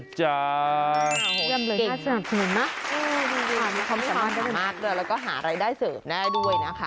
ความสำคัญมากด้วยแล้วก็หารายได้เสิร์ฟแน่ด้วยนะคะ